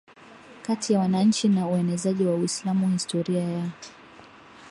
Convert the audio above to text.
kati ya wananchi na uenezaji wa Uislamu Historia ya